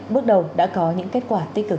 bước đầu đã có những kết quả tích cực